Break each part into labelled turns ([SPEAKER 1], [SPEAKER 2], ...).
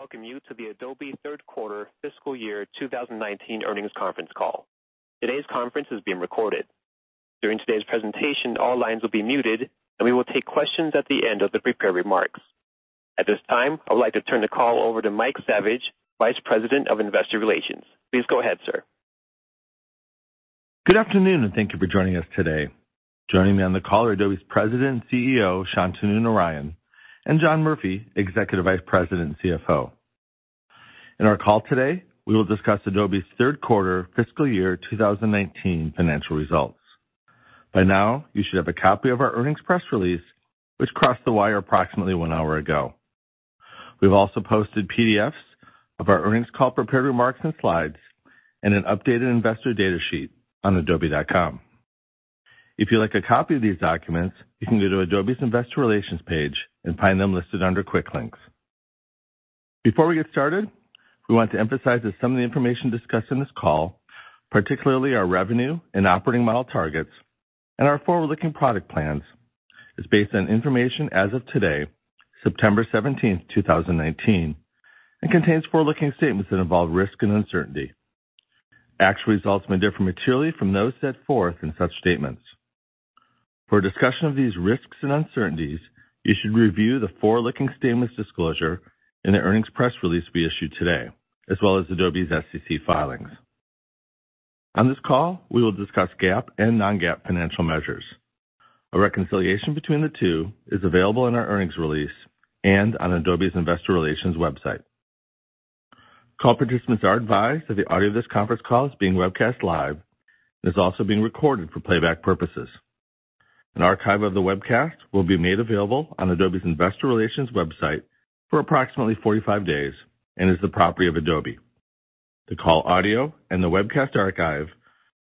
[SPEAKER 1] Welcome you to the Adobe third quarter fiscal year 2019 earnings conference call. Today's conference is being recorded. During today's presentation, all lines will be muted. We will take questions at the end of the prepared remarks. At this time, I would like to turn the call over to Mike Saviage, Vice President of Investor Relations. Please go ahead, sir.
[SPEAKER 2] Good afternoon, and thank you for joining us today. Joining me on the call are Adobe's President and CEO, Shantanu Narayen, and John Murphy, Executive Vice President and CFO. In our call today, we will discuss Adobe's third quarter fiscal year 2019 financial results. By now, you should have a copy of our earnings press release, which crossed the wire approximately one hour ago. We've also posted PDFs of our earnings call prepared remarks and slides and an updated investor data sheet on adobe.com. If you'd like a copy of these documents, you can go to Adobe's Investor Relations page and find them listed under Quick Links. Before we get started, we want to emphasize that some of the information discussed on this call, particularly our revenue and operating model targets and our forward-looking product plans, is based on information as of today, September 17th, 2019, and contains forward-looking statements that involve risk and uncertainty. Actual results may differ materially from those set forth in such statements. For a discussion of these risks and uncertainties, you should review the forward-looking statements disclosure in the earnings press release we issued today, as well as Adobe's SEC filings. On this call, we will discuss GAAP and non-GAAP financial measures. A reconciliation between the two is available in our earnings release and on Adobe's investor relations website. Call participants are advised that the audio of this conference call is being webcast live and is also being recorded for playback purposes. An archive of the webcast will be made available on Adobe's investor relations website for approximately 45 days and is the property of Adobe. The call audio and the webcast archive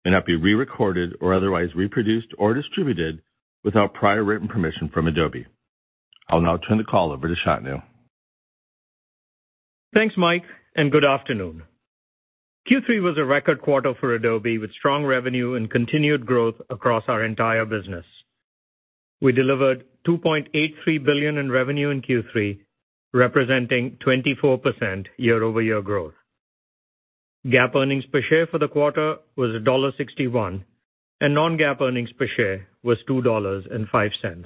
[SPEAKER 2] may not be re-recorded or otherwise reproduced or distributed without prior written permission from Adobe. I'll now turn the call over to Shantanu.
[SPEAKER 3] Thanks, Mike, and good afternoon. Q3 was a record quarter for Adobe, with strong revenue and continued growth across our entire business. We delivered $2.83 billion in revenue in Q3, representing 24% year-over-year growth. GAAP earnings per share for the quarter was $1.61, and non-GAAP earnings per share was $2.05.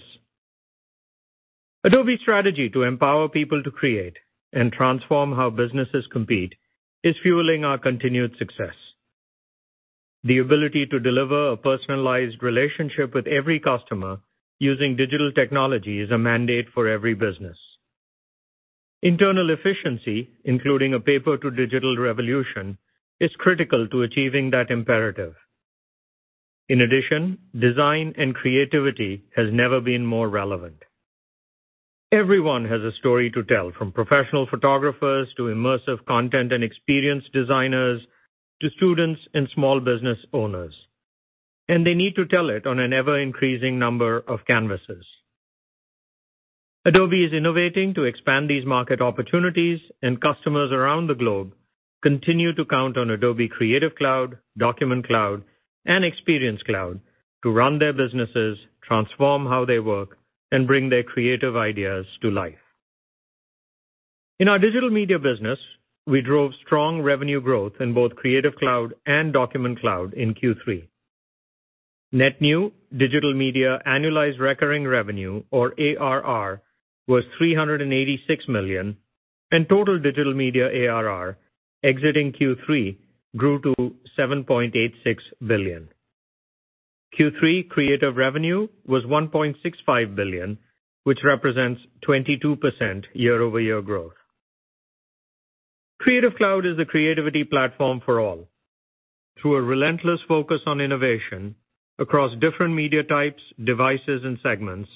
[SPEAKER 3] Adobe's strategy to empower people to create and transform how businesses compete is fueling our continued success. The ability to deliver a personalized relationship with every customer using digital technology is a mandate for every business. Internal efficiency, including a paper-to-digital revolution, is critical to achieving that imperative. Design and creativity has never been more relevant. Everyone has a story to tell, from professional photographers to immersive content and experience designers to students and small business owners. They need to tell it on an ever-increasing number of canvases. Adobe is innovating to expand these market opportunities, and customers around the globe continue to count on Adobe Creative Cloud, Document Cloud, and Experience Cloud to run their businesses, transform how they work, and bring their creative ideas to life. In our digital media business, we drove strong revenue growth in both Creative Cloud and Document Cloud in Q3. Net new digital media annualized recurring revenue, or ARR, was $386 million, and total digital media ARR exiting Q3 grew to $7.86 billion. Q3 creative revenue was $1.65 billion, which represents 22% year-over-year growth. Creative Cloud is the creativity platform for all. Through a relentless focus on innovation across different media types, devices, and segments,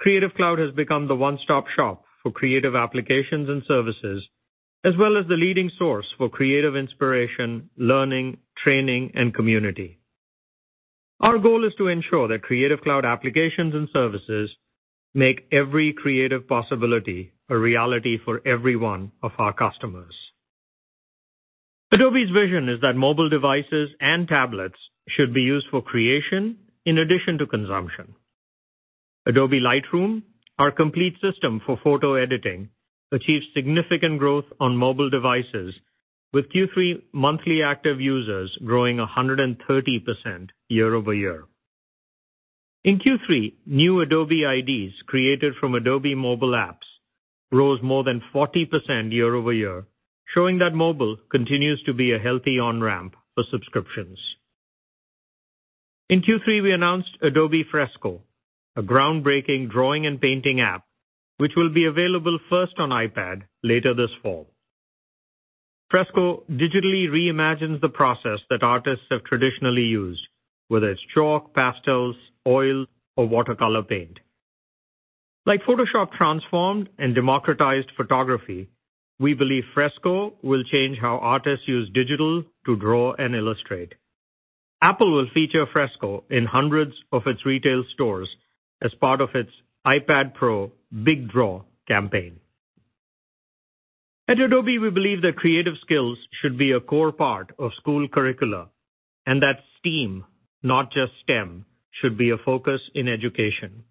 [SPEAKER 3] Creative Cloud has become the one-stop shop for creative applications and services, as well as the leading source for creative inspiration, learning, training, and community. Our goal is to ensure that Creative Cloud applications and services make every creative possibility a reality for every one of our customers. Adobe's vision is that mobile devices and tablets should be used for creation in addition to consumption. Adobe Lightroom, our complete system for photo editing, achieved significant growth on mobile devices, with Q3 monthly active users growing 130% year-over-year. In Q3, new Adobe IDs created from Adobe mobile apps rose more than 40% year-over-year, showing that mobile continues to be a healthy on-ramp for subscriptions. In Q3, we announced Adobe Fresco, a groundbreaking drawing and painting app, which will be available first on iPad later this fall. Fresco digitally reimagines the process that artists have traditionally used, whether it's chalk, pastels, oil, or watercolor paint. Like Photoshop transformed and democratized photography, we believe Fresco will change how artists use digital to draw and illustrate. Apple will feature Fresco in hundreds of its retail stores as part of its iPad Pro Big Draw campaign. At Adobe, we believe that creative skills should be a core part of school curricula and that STEAM, not just STEM, should be a focus in education.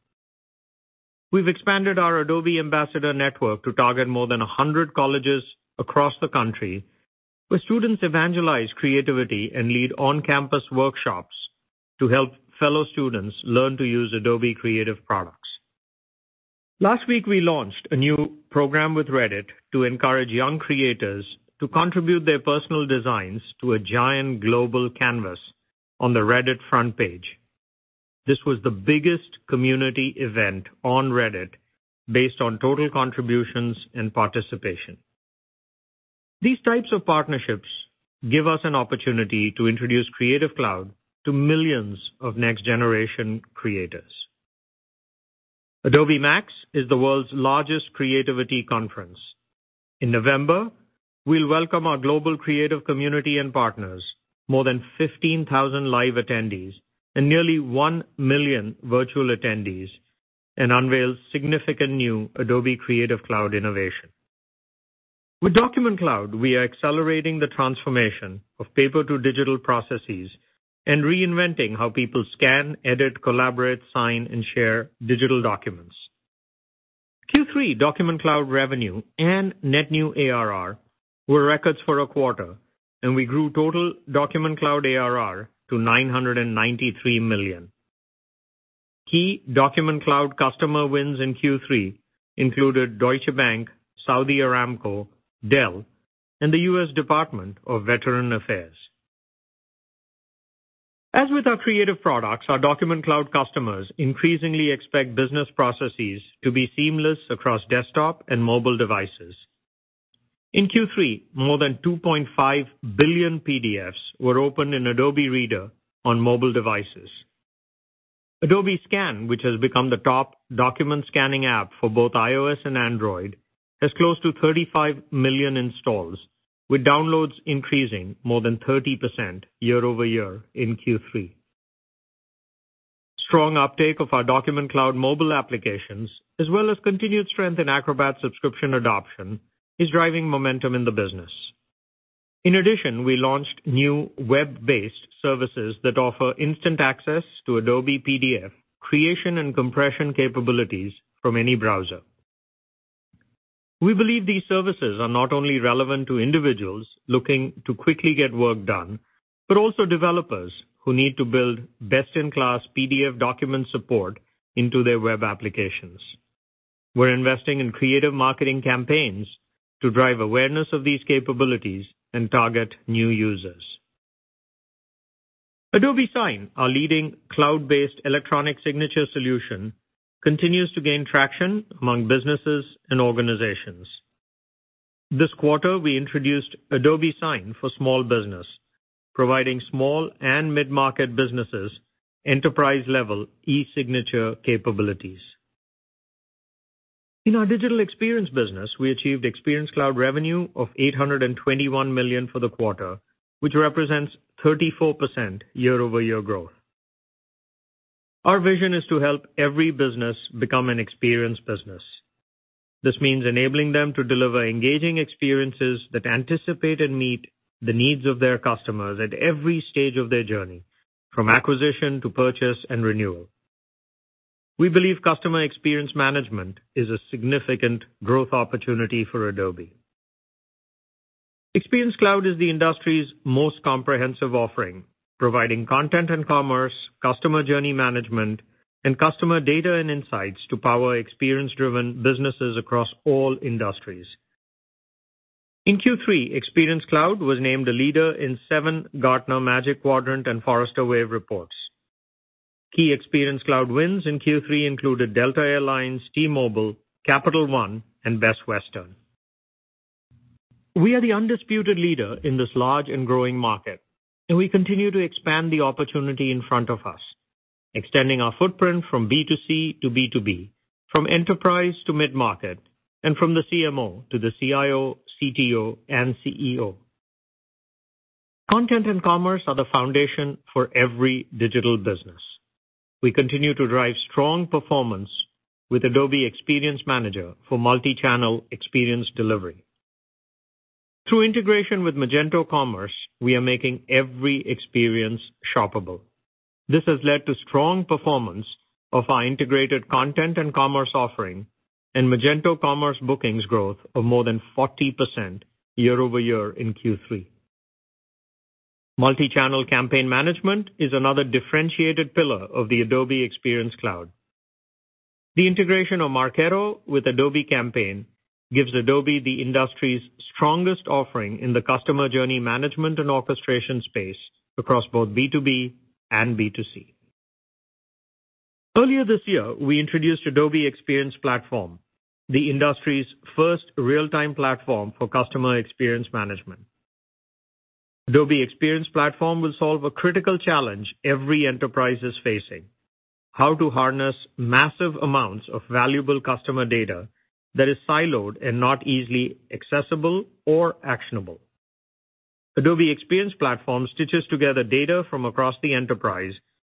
[SPEAKER 3] We've expanded our Adobe Ambassador network to target more than 100 colleges across the country, where students evangelize creativity and lead on-campus workshops to help fellow students learn to use Adobe Creative products. Last week, we launched a new program with Reddit to encourage young creators to contribute their personal designs to a giant global canvas on the Reddit front page. This was the biggest community event on Reddit based on total contributions and participation. These types of partnerships give us an opportunity to introduce Creative Cloud to millions of next-generation creators. Adobe MAX is the world's largest creativity conference. In November, we'll welcome our global creative community and partners, more than 15,000 live attendees, and nearly 1 million virtual attendees, and unveil significant new Adobe Creative Cloud innovation. With Document Cloud, we are accelerating the transformation of paper-to-digital processes and reinventing how people scan, edit, collaborate, sign, and share digital documents. Q3 Document Cloud revenue and net new ARR were records for a quarter, and we grew total Document Cloud ARR to $993 million. Key Document Cloud customer wins in Q3 included Deutsche Bank, Saudi Aramco, Dell, and the U.S. Department of Veterans Affairs. As with our creative products, our Document Cloud customers increasingly expect business processes to be seamless across desktop and mobile devices. In Q3, more than 2.5 billion PDFs were opened in Adobe Reader on mobile devices. Adobe Scan, which has become the top document scanning app for both iOS and Android, has close to 35 million installs, with downloads increasing more than 30% year-over-year in Q3. Strong uptake of our Document Cloud mobile applications, as well as continued strength in Acrobat subscription adoption, is driving momentum in the business. In addition, we launched new web-based services that offer instant access to Adobe PDF creation and compression capabilities from any browser. We believe these services are not only relevant to individuals looking to quickly get work done, but also developers who need to build best-in-class PDF document support into their web applications. We're investing in creative marketing campaigns to drive awareness of these capabilities and target new users. Adobe Sign, our leading cloud-based electronic signature solution, continues to gain traction among businesses and organizations. This quarter, we introduced Adobe Sign for small business, providing small and mid-market businesses enterprise-level e-signature capabilities. In our digital experience business, we achieved Experience Cloud revenue of $821 million for the quarter, which represents 34% year-over-year growth. Our vision is to help every business become an experience business. This means enabling them to deliver engaging experiences that anticipate and meet the needs of their customers at every stage of their journey, from acquisition to purchase and renewal. We believe customer experience management is a significant growth opportunity for Adobe. Experience Cloud is the industry's most comprehensive offering, providing content and commerce, customer journey management, and customer data and insights to power experience-driven businesses across all industries. In Q3, Experience Cloud was named a leader in seven Gartner Magic Quadrant and Forrester Wave reports. Key Experience Cloud wins in Q3 included Delta Air Lines, T-Mobile, Capital One, and Best Western. We are the undisputed leader in this large and growing market, and we continue to expand the opportunity in front of us, extending our footprint from B2C to B2B, from enterprise to mid-market, and from the CMO to the CIO, CTO, and CEO. Content and commerce are the foundation for every digital business. We continue to drive strong performance with Adobe Experience Manager for multi-channel experience delivery. Through integration with Magento Commerce, we are making every experience shoppable. This has led to strong performance of our integrated content and commerce offering, and Magento Commerce bookings growth of more than 40% year-over-year in Q3. Multi-channel campaign management is another differentiated pillar of the Adobe Experience Cloud. The integration of Marketo with Adobe Campaign gives Adobe the industry's strongest offering in the customer journey management and orchestration space across both B2B and B2C. Earlier this year, we introduced Adobe Experience Platform, the industry's first real-time platform for customer experience management. Adobe Experience Platform will solve a critical challenge every enterprise is facing: how to harness massive amounts of valuable customer data that is siloed and not easily accessible or actionable. Adobe Experience Platform stitches together data from across the enterprise,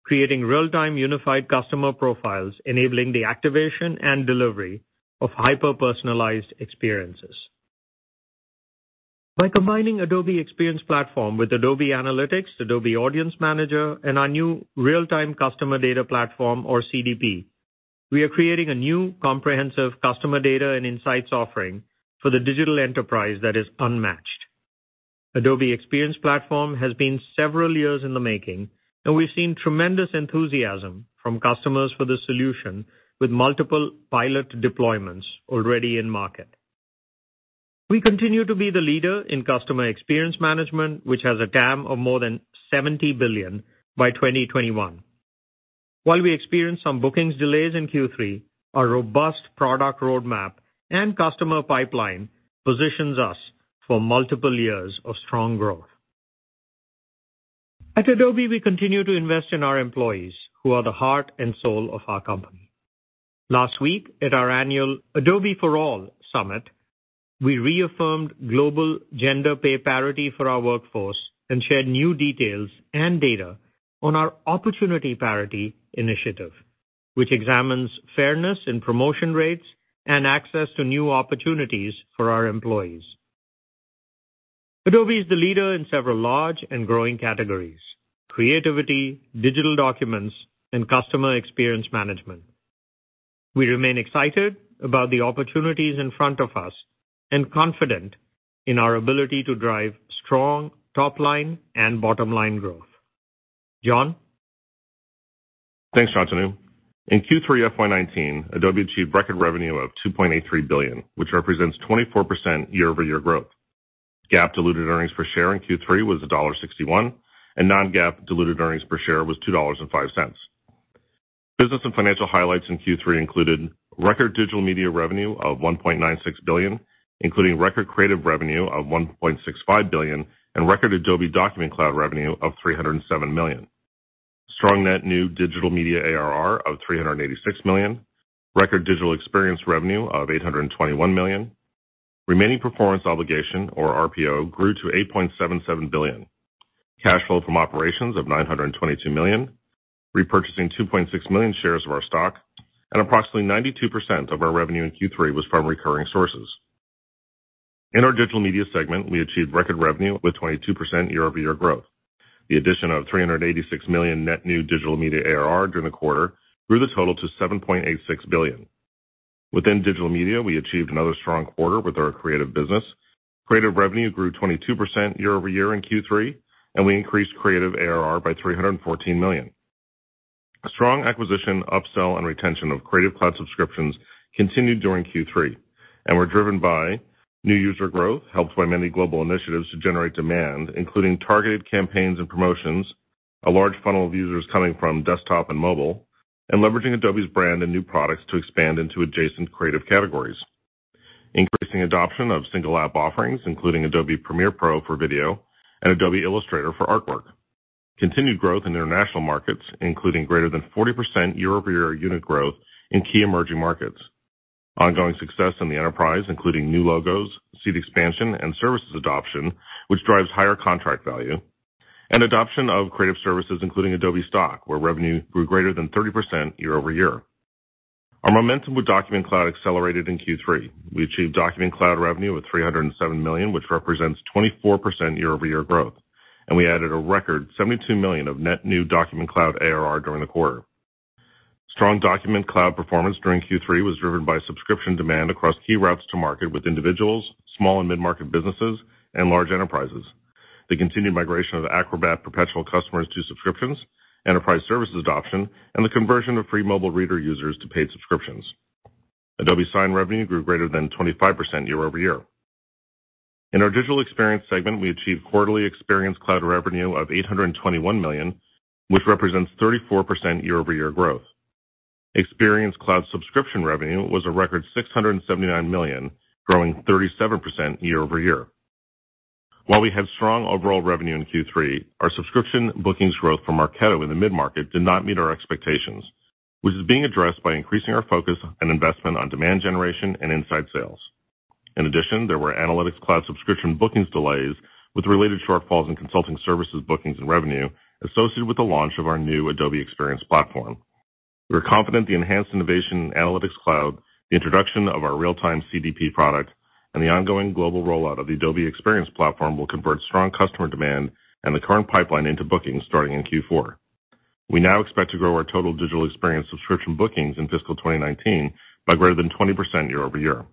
[SPEAKER 3] creating real-time unified customer profiles, enabling the activation and delivery of hyper-personalized experiences. By combining Adobe Experience Platform with Adobe Analytics, Adobe Audience Manager, and our new real-time customer data platform or CDP, we are creating a new comprehensive customer data and insights offering for the digital enterprise that is unmatched. Adobe Experience Platform has been several years in the making, and we've seen tremendous enthusiasm from customers for the solution, with multiple pilot deployments already in market. We continue to be the leader in customer experience management, which has a TAM of more than $70 billion by 2021. While we experienced some bookings delays in Q3, our robust product roadmap and customer pipeline positions us for multiple years of strong growth. At Adobe, we continue to invest in our employees, who are the heart and soul of our company. Last week at our annual Adobe For All Summit, we reaffirmed global gender pay parity for our workforce and shared new details and data on our opportunity parity initiative, which examines fairness in promotion rates and access to new opportunities for our employees. Adobe is the leader in several large and growing categories: creativity, digital documents, and customer experience management. We remain excited about the opportunities in front of us and confident in our ability to drive strong top-line and bottom-line growth. John?
[SPEAKER 4] Thanks, Shantanu. In Q3 FY 2019, Adobe achieved record revenue of $2.83 billion, which represents 24% year-over-year growth. GAAP diluted earnings per share in Q3 was $1.61, and non-GAAP diluted earnings per share was $2.05. Business and financial highlights in Q3 included record Digital Media revenue of $1.96 billion, including record creative revenue of $1.65 billion and record Adobe Document Cloud revenue of $307 million. Strong net new Digital Media ARR of $386 million. Record Digital Experience revenue of $821 million. Remaining performance obligation or RPO grew to $8.77 billion. Cash flow from operations of $922 million. Repurchasing 2.6 million shares of our stock, and approximately 92% of our revenue in Q3 was from recurring sources. In our Digital Media segment, we achieved record revenue with 22% year-over-year growth. The addition of $386 million net new Digital Media ARR during the quarter grew the total to $7.86 billion. Within digital media, we achieved another strong quarter with our creative business. Creative revenue grew 22% year-over-year in Q3, and we increased Creative ARR by $314 million. A strong acquisition, upsell, and retention of Creative Cloud subscriptions continued during Q3 and were driven by new user growth, helped by many global initiatives to generate demand, including targeted campaigns and promotions, a large funnel of users coming from desktop and mobile, and leveraging Adobe's brand and new products to expand into adjacent creative categories. Increasing adoption of single app offerings, including Adobe Premiere Pro for video and Adobe Illustrator for artwork. Continued growth in international markets, including greater than 40% year-over-year unit growth in key emerging markets. Ongoing success in the enterprise, including new logos, seat expansion, and services adoption, which drives higher contract value. Adoption of creative services, including Adobe Stock, where revenue grew greater than 30% year-over-year. Our momentum with Document Cloud accelerated in Q3. We achieved Document Cloud revenue of $307 million, which represents 24% year-over-year growth, and we added a record $72 million of net new Document Cloud ARR during the quarter. Strong Document Cloud performance during Q3 was driven by subscription demand across key routes to market with individuals, small and mid-market businesses, and large enterprises. The continued migration of Acrobat Perpetual customers to subscriptions, enterprise services adoption, and the conversion of free mobile reader users to paid subscriptions. Adobe Sign revenue grew greater than 25% year-over-year. In our Digital Experience segment, we achieved quarterly Experience Cloud revenue of $821 million, which represents 34% year-over-year growth. Experience Cloud subscription revenue was a record $679 million, growing 37% year-over-year. While we have strong overall revenue in Q3, our subscription bookings growth for Marketo in the mid-market did not meet our expectations, which is being addressed by increasing our focus and investment on demand generation and inside sales. In addition, there were Analytics Cloud subscription bookings delays with related shortfalls in consulting services, bookings, and revenue associated with the launch of our new Adobe Experience Platform. We are confident the enhanced innovation in Analytics Cloud, the introduction of our real-time CDP product, and the ongoing global rollout of the Adobe Experience Platform will convert strong customer demand and the current pipeline into bookings starting in Q4. We now expect to grow our total digital experience subscription bookings in fiscal 2019 by greater than 20% year-over-year.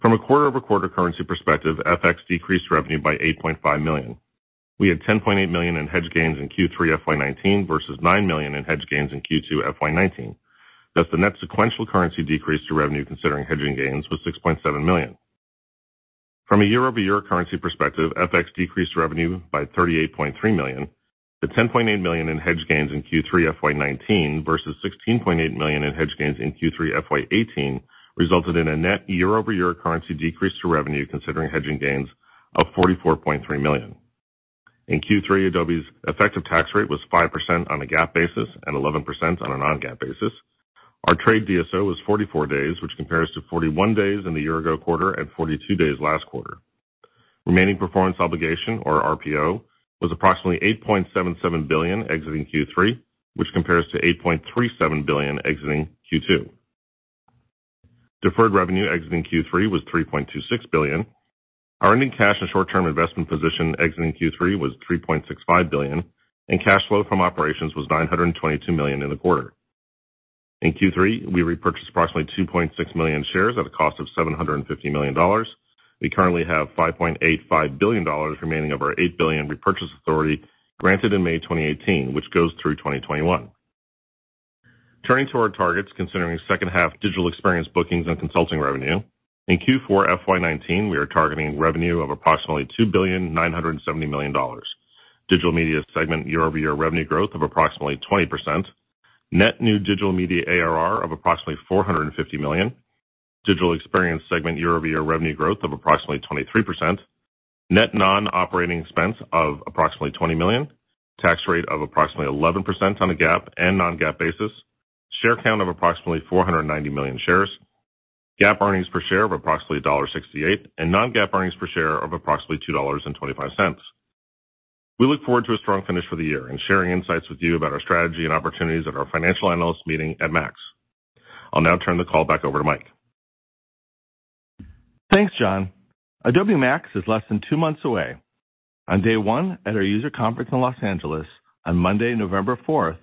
[SPEAKER 4] From a quarter-over-quarter currency perspective, FX decreased revenue by $8.5 million. We had $10.8 million in hedge gains in Q3 FY 2019 versus $9 million in hedge gains in Q2 FY 2019. The net sequential currency decrease to revenue considering hedging gains was $6.7 million. From a year-over-year currency perspective, FX decreased revenue by $38.3 million to $10.8 million in hedge gains in Q3 FY 2019 versus $16.8 million in hedge gains in Q3 FY 2018 resulted in a net year-over-year currency decrease to revenue considering hedging gains of $44.3 million. In Q3, Adobe's effective tax rate was 5% on a GAAP basis and 11% on a non-GAAP basis. Our trade DSO was 44 days, which compares to 41 days in the year ago quarter and 42 days last quarter. Remaining performance obligation or RPO was approximately $8.77 billion exiting Q3, which compares to $8.37 billion exiting Q2. Deferred revenue exiting Q3 was $3.26 billion. Our ending cash and short-term investment position exiting Q3 was $3.65 billion, and cash flow from operations was $922 million in the quarter. In Q3, we repurchased approximately 2.6 million shares at a cost of $750 million. We currently have $5.85 billion remaining of our $8 billion repurchase authority granted in May 2018, which goes through 2021. Turning to our targets, considering second half Digital Experience bookings and consulting revenue. In Q4 FY 2019, we are targeting revenue of approximately $2.97 billion. Digital Media segment year-over-year revenue growth of approximately 20%. Net new Digital Media ARR of approximately $450 million. Digital Experience segment year-over-year revenue growth of approximately 23%. Net non-operating expense of approximately $20 million. Tax rate of approximately 11% on a GAAP and non-GAAP basis. Share count of approximately 490 million shares. GAAP earnings per share of approximately $1.68, and non-GAAP earnings per share of approximately $2.25. We look forward to a strong finish for the year and sharing insights with you about our strategy and opportunities at our Financial Analyst Meeting at MAX. I'll now turn the call back over to Mike.
[SPEAKER 2] Thanks, John. Adobe MAX is less than two months away. On day one at our user conference in Los Angeles, on Monday, November 4th,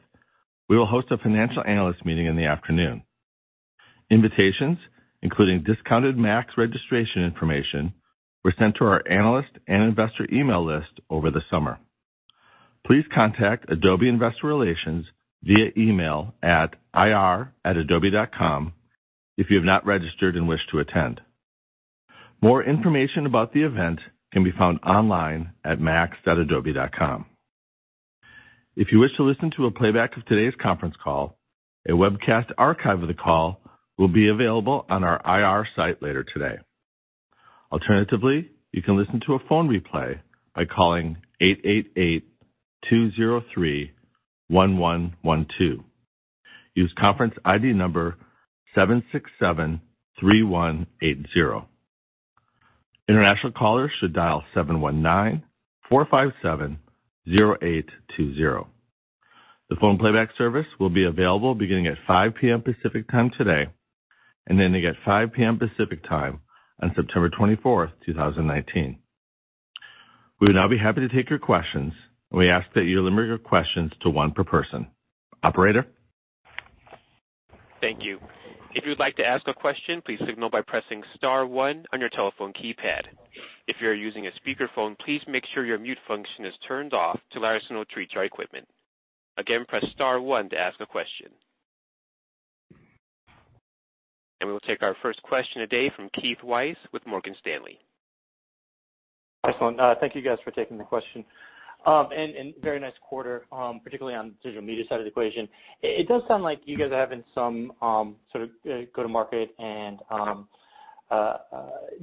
[SPEAKER 2] we will host a financial analyst meeting in the afternoon. Invitations, including discounted MAX registration information, were sent to our analyst and investor email list over the summer. Please contact Adobe Investor Relations via email at ir@adobe.com if you have not registered and wish to attend. More information about the event can be found online at max.adobe.com. If you wish to listen to a playback of today's conference call, a webcast archive of the call will be available on our IR site later today. Alternatively, you can listen to a phone replay by calling 888-203-1112. Use conference ID number 7673180. International callers should dial 719-457-0820. The phone playback service will be available beginning at 5:00 P.M. Pacific Time today, and ending at 5:00 P.M. Pacific Time on September 24th, 2019. We would now be happy to take your questions. We ask that you limit your questions to one per person. Operator?
[SPEAKER 1] Thank you. If you would like to ask a question, please signal by pressing star one on your telephone keypad. If you are using a speakerphone, please make sure your mute function is turned off to lessen all noise from your equipment. Again, press star one to ask a question. We will take our first question today from Keith Weiss with Morgan Stanley.
[SPEAKER 5] Excellent. Thank you guys for taking the question. Very nice quarter, particularly on the digital media side of the equation. It does sound like you guys are having some sort of go-to-market and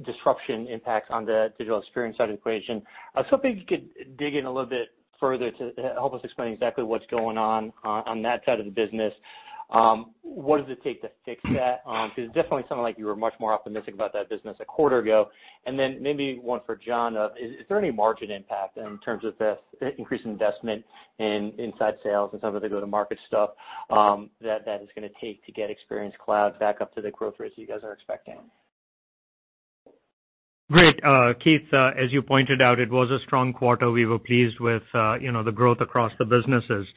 [SPEAKER 5] disruption impacts on the digital experience side of the equation. I was hoping you could dig in a little bit further to help us explain exactly what's going on on that side of the business. What does it take to fix that? It's definitely something like you were much more optimistic about that business a quarter ago. Maybe one for John. Is there any margin impact in terms of the increased investment in inside sales and some of the go-to-market stuff that is going to take to get Experience Cloud back up to the growth rates you guys are expecting?
[SPEAKER 4] Great. Keith, as you pointed out, it was a strong quarter. We were pleased with the growth across the businesses.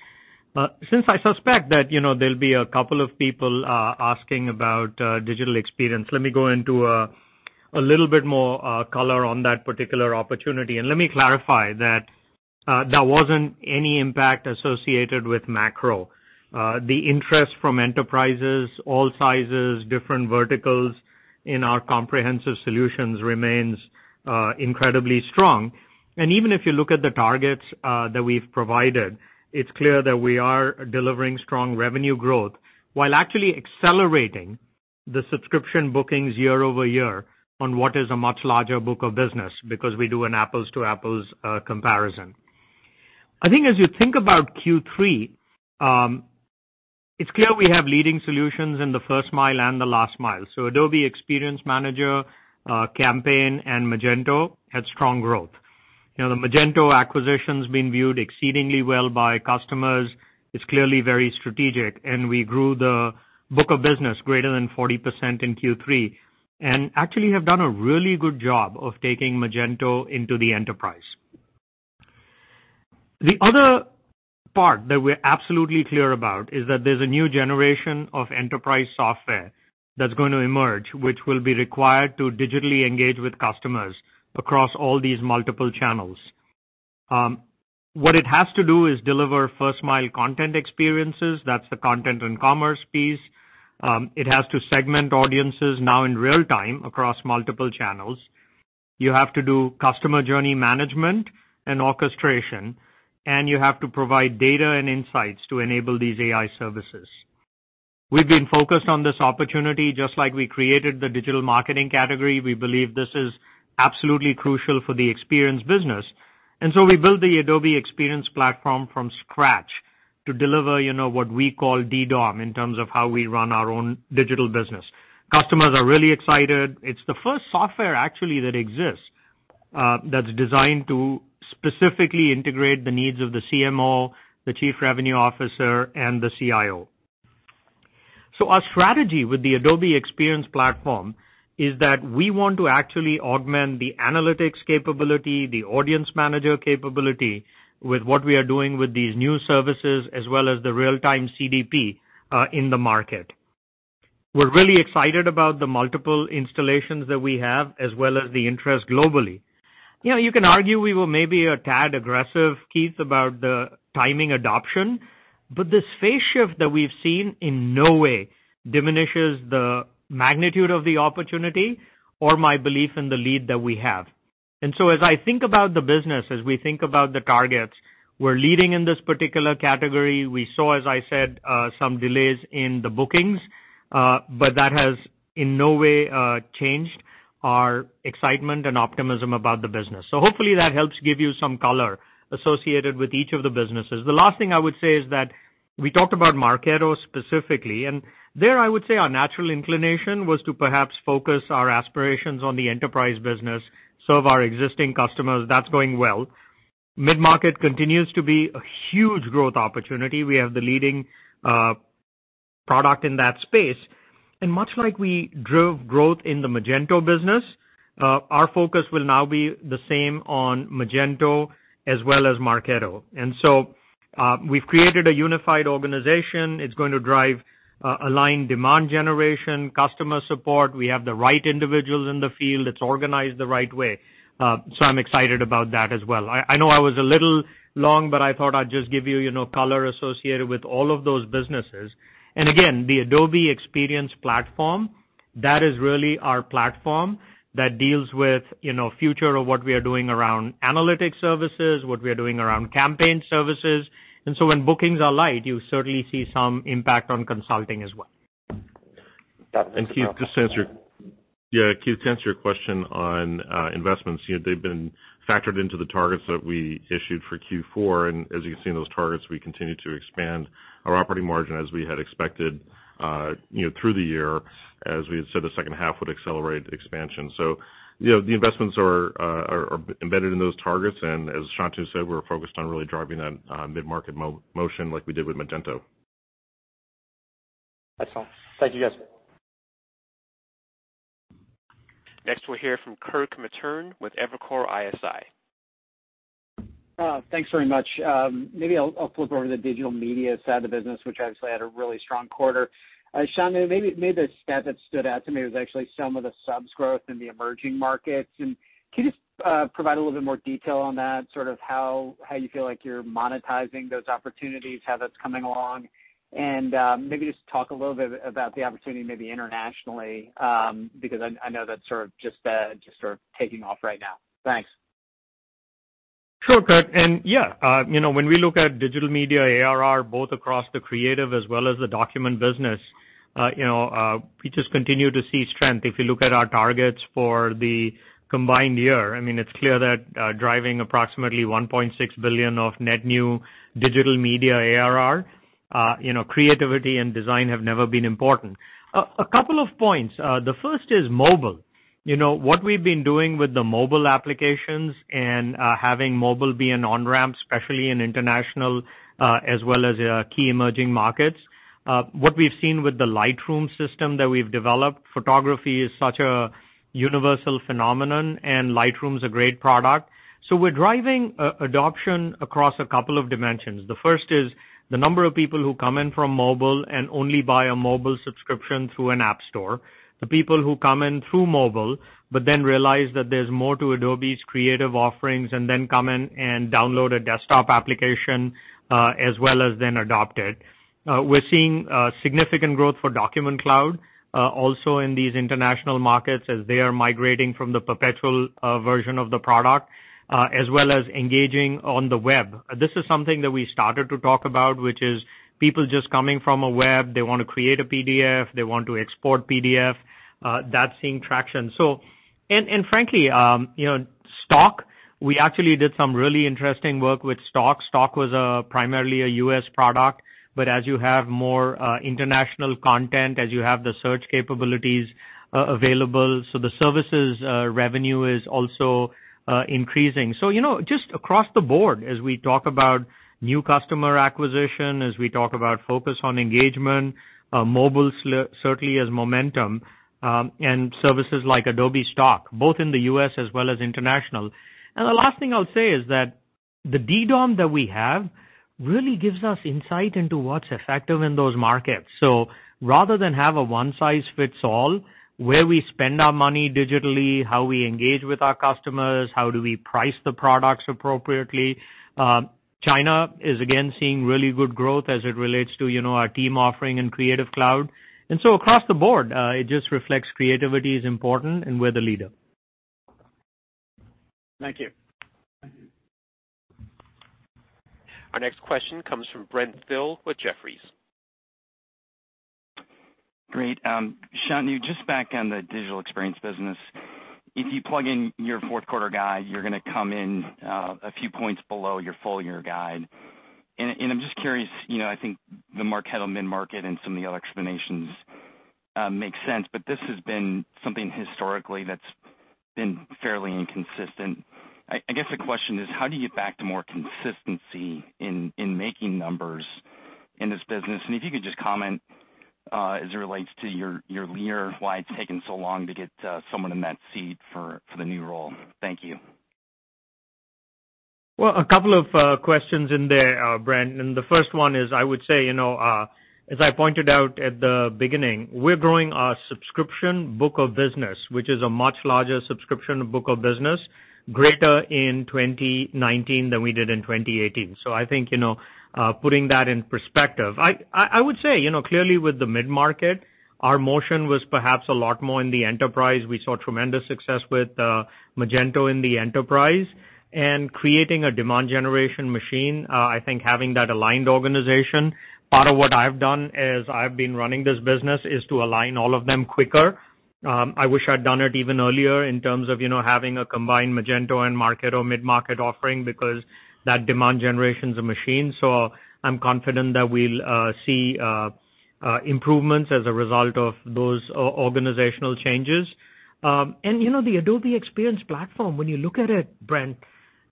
[SPEAKER 4] Since I suspect that there will be a couple of people asking about digital experience, let me go into a little bit more color on that particular opportunity. Let me clarify that there wasn't any impact associated with macro. The interest from enterprises, all sizes, different verticals in our comprehensive solutions remains incredibly strong. Even if you look at the targets that we've provided, it's clear that we are delivering strong revenue growth while actually accelerating the subscription bookings year-over-year on what is a much larger book of business because we do an apples to apples comparison. I think as you think about Q3, it's clear we have leading solutions in the first mile and the last mile. Adobe Experience Manager, Campaign, and Magento had strong growth. The Magento acquisition's been viewed exceedingly well by customers. It's clearly very strategic, and we grew the book of business greater than 40% in Q3, and actually have done a really good job of taking Magento into the enterprise. The other part that we're absolutely clear about is that there's a new generation of enterprise software that's going to emerge, which will be required to digitally engage with customers across all these multiple channels. What it has to do is deliver first-mile content experiences. That's the content and commerce piece. It has to segment audiences now in real time across multiple channels. You have to do customer journey management and orchestration, and you have to provide data and insights to enable these AI services. We've been focused on this opportunity just like we created the digital marketing category. We believe this is absolutely crucial for the experience business. We built the Adobe Experience Platform from scratch to deliver what we call DDOM in terms of how we run our own digital business. Customers are really excited. It's the first software actually that exists.
[SPEAKER 3] That's designed to specifically integrate the needs of the CMO, the chief revenue officer, and the CIO. Our strategy with the Adobe Experience Platform is that we want to actually augment the analytics capability, the audience manager capability, with what we are doing with these new services, as well as the real-time CDP in the market. We're really excited about the multiple installations that we have, as well as the interest globally. You can argue we were maybe a tad aggressive, Keith, about the timing adoption. This phase shift that we've seen in no way diminishes the magnitude of the opportunity or my belief in the lead that we have. As I think about the business, as we think about the targets, we're leading in this particular category. We saw, as I said, some delays in the bookings, but that has in no way changed our excitement and optimism about the business. Hopefully that helps give you some color associated with each of the businesses. The last thing I would say is that we talked about Marketo specifically, and there I would say our natural inclination was to perhaps focus our aspirations on the enterprise business, serve our existing customers. That's going well. Mid-market continues to be a huge growth opportunity. We have the leading product in that space. Much like we drove growth in the Magento business, our focus will now be the same on Magento as well as Marketo. We've created a unified organization. It's going to drive aligned demand generation, customer support. We have the right individuals in the field. It's organized the right way. I'm excited about that as well. I know I was a little long, but I thought I'd just give you color associated with all of those businesses. Again, the Adobe Experience Platform, that is really our platform that deals with future of what we are doing around analytics services, what we are doing around campaign services. When bookings are light, you certainly see some impact on consulting as well.
[SPEAKER 4] Keith, to answer your question on investments, they've been factored into the targets that we issued for Q4, and as you can see in those targets, we continue to expand our operating margin as we had expected through the year, as we had said the second half would accelerate expansion. The investments are embedded in those targets, and as Shantanu said, we're focused on really driving that mid-market motion like we did with Magento.
[SPEAKER 5] Excellent. Thank you, guys.
[SPEAKER 1] Next, we'll hear from Kirk Materne with Evercore ISI.
[SPEAKER 6] Thanks very much. Maybe I'll flip over to the digital media side of the business, which obviously had a really strong quarter. Shantanu, maybe the stat that stood out to me was actually some of the subs growth in the emerging markets. Can you just provide a little bit more detail on that, sort of how you feel like you're monetizing those opportunities, how that's coming along? Maybe just talk a little bit about the opportunity maybe internationally, because I know that's sort of just taking off right now. Thanks.
[SPEAKER 3] Sure, Kirk, yeah, when we look at Digital Media ARR both across the Creative as well as the Document business, we just continue to see strength. If you look at our targets for the combined year, I mean, it's clear that driving approximately $1.6 billion of net new Digital Media ARR, Creative and Design have never been important. A couple of points. The first is mobile. What we've been doing with the mobile applications and having mobile be an on-ramp, especially in international as well as key emerging markets. What we've seen with the Lightroom system that we've developed, photography is such a universal phenomenon. Lightroom's a great product. We're driving adoption across a couple of dimensions. The first is the number of people who come in from mobile and only buy a mobile subscription through an app store. The people who come in through mobile, but then realize that there's more to Adobe's creative offerings and then come in and download a desktop application, as well as then adopt it. We're seeing significant growth for Document Cloud also in these international markets as they are migrating from the perpetual version of the product, as well as engaging on the web. This is something that we started to talk about, which is people just coming from a web. They want to create a PDF. They want to export PDF. That's seeing traction. Frankly, Stock, we actually did some really interesting work with Stock. Stock was primarily a U.S. product, but as you have more international content, as you have the search capabilities available, the services revenue is also increasing. Just across the board, as we talk about new customer acquisition, as we talk about focus on engagement, mobile certainly has momentum, and services like Adobe Stock, both in the U.S. as well as international. The last thing I'll say is that the DDOM that we have really gives us insight into what's effective in those markets. Rather than have a one size fits all, where we spend our money digitally, how we engage with our customers, how do we price the products appropriately. China is again seeing really good growth as it relates to our team offering in Creative Cloud. Across the board, it just reflects creativity is important, and we're the leader.
[SPEAKER 6] Thank you.
[SPEAKER 1] Our next question comes from Brent Thill with Jefferies.
[SPEAKER 7] Great. Shantanu, just back on the digital experience business. If you plug in your fourth quarter guide, you're going to come in a few points below your full year guide. I'm just curious, I think the Marketo mid-market and some of the other explanations makes sense. This has been something historically that's been fairly inconsistent. I guess the question is, how do you get back to more consistency in making numbers in this business? If you could just comment, as it relates to your leader, why it's taken so long to get someone in that seat for the new role. Thank you.
[SPEAKER 3] A couple of questions in there, Brent. The first one is, I would say as I pointed out at the beginning, we're growing our subscription book of business, which is a much larger subscription book of business, greater in 2019 than we did in 2018. I think, putting that in perspective. I would say, clearly with the mid-market, our motion was perhaps a lot more in the enterprise. We saw tremendous success with Magento in the enterprise. Creating a demand generation machine, I think having that aligned organization, part of what I've done is I've been running this business is to align all of them quicker. I wish I'd done it even earlier in terms of having a combined Magento and Marketo mid-market offering because that demand generation's a machine. I'm confident that we'll see improvements as a result of those organizational changes. The Adobe Experience Platform, when you look at it, Brent,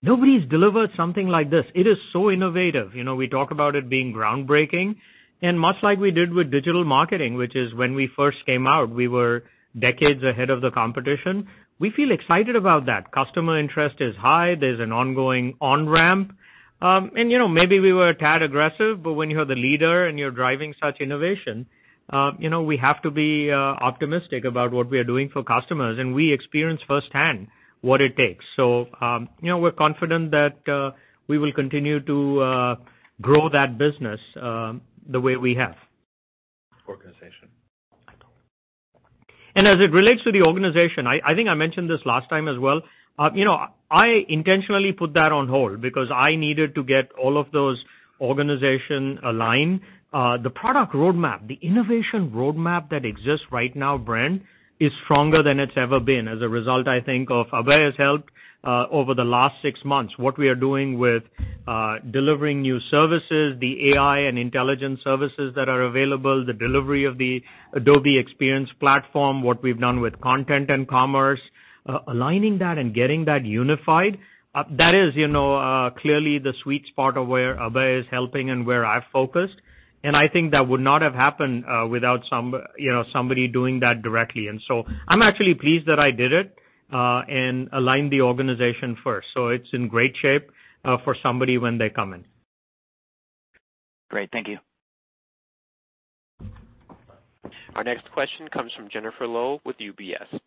[SPEAKER 3] nobody's delivered something like this. It is so innovative. We talk about it being groundbreaking, and much like we did with digital marketing, which is when we first came out, we were decades ahead of the competition. We feel excited about that. Customer interest is high. There's an ongoing on-ramp. Maybe we were a tad aggressive, but when you're the leader and you're driving such innovation, we have to be optimistic about what we are doing for customers, and we experience firsthand what it takes. We're confident that we will continue to grow that business the way we have.
[SPEAKER 2] Organization.
[SPEAKER 3] As it relates to the organization, I think I mentioned this last time as well. I intentionally put that on hold because I needed to get all of those organization aligned. The product roadmap, the innovation roadmap that exists right now, Brent, is stronger than it's ever been, as a result, I think, of Abhay's help over the last six months. What we are doing with delivering new services, the AI and intelligence services that are available, the delivery of the Adobe Experience Platform, what we've done with content and commerce, aligning that and getting that unified, that is clearly the sweet spot of where Abhay is helping and where I focused. I think that would not have happened without somebody doing that directly. I'm actually pleased that I did it, and aligned the organization first. It's in great shape for somebody when they come in.
[SPEAKER 7] Great. Thank you.
[SPEAKER 1] Our next question comes from Jennifer Lowe with UBS.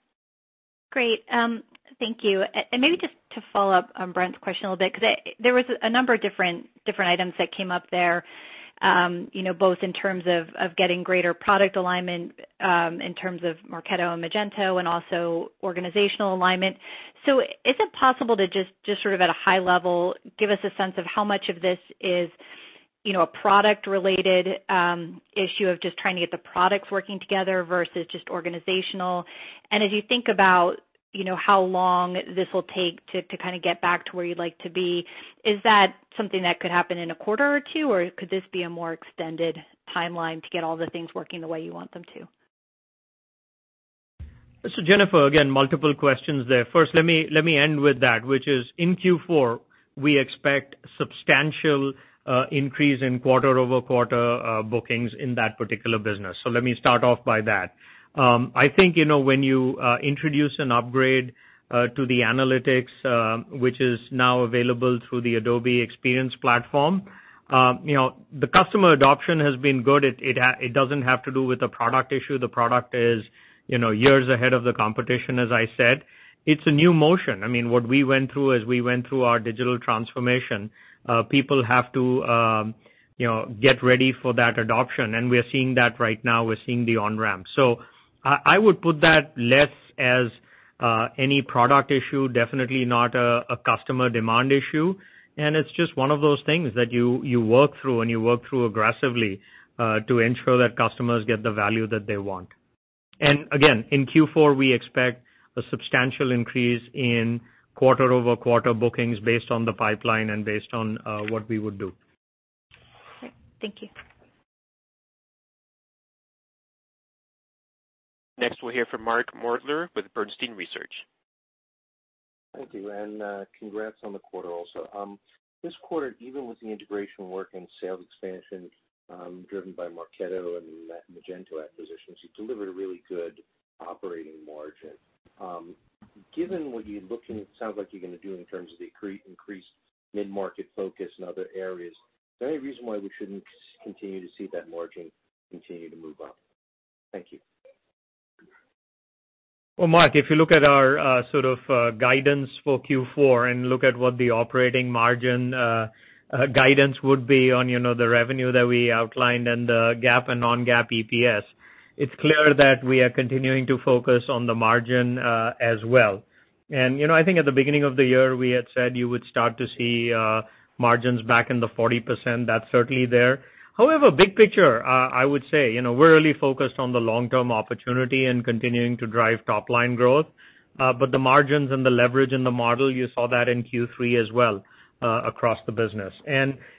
[SPEAKER 8] Great. Thank you. Maybe just to follow up on Brent's question a little bit, because there was a number of different items that came up there, both in terms of getting greater product alignment, in terms of Marketo and Magento, and also organizational alignment. Is it possible to just sort of at a high level, give us a sense of how much of this is a product-related issue of just trying to get the products working together versus just organizational? As you think about how long this will take to kind of get back to where you'd like to be, is that something that could happen in a quarter or two, or could this be a more extended timeline to get all the things working the way you want them to?
[SPEAKER 3] Jennifer, again, multiple questions there. Let me end with that, which is in Q4, we expect substantial increase in quarter-over-quarter bookings in that particular business. Let me start off by that. I think, when you introduce an upgrade to the analytics, which is now available through the Adobe Experience Platform, the customer adoption has been good. It doesn't have to do with the product issue. The product is years ahead of the competition, as I said. It's a new motion. What we went through is we went through our digital transformation. People have to get ready for that adoption, and we are seeing that right now. We're seeing the on-ramp. I would put that less as any product issue, definitely not a customer demand issue. It's just one of those things that you work through, and you work through aggressively, to ensure that customers get the value that they want. Again, in Q4, we expect a substantial increase in quarter-over-quarter bookings based on the pipeline and based on what we would do.
[SPEAKER 8] Great. Thank you.
[SPEAKER 1] Next, we'll hear from Mark Moerdler with Bernstein Research.
[SPEAKER 9] Thank you, and congrats on the quarter also. This quarter, even with the integration work and sales expansion, driven by Marketo and Magento acquisitions, you delivered a really good operating margin. Given what it sounds like you're going to do in terms of the increased mid-market focus and other areas, is there any reason why we shouldn't continue to see that margin continue to move up? Thank you.
[SPEAKER 3] Well, Mark, if you look at our sort of guidance for Q4 and look at what the operating margin guidance would be on the revenue that we outlined and the GAAP and non-GAAP EPS, it's clear that we are continuing to focus on the margin as well. I think at the beginning of the year, we had said you would start to see margins back in the 40%. That's certainly there. However, big picture, I would say, we're really focused on the long-term opportunity and continuing to drive top-line growth. The margins and the leverage in the model, you saw that in Q3 as well across the business.